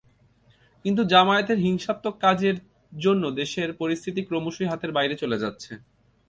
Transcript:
কিন্তু জামায়াতের হিংসাত্মক কাজের জন্য দেশের পরিস্থিতি ক্রমশই হাতের বাইরে চলে যাচ্ছে।